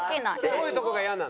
どういうとこがイヤなの？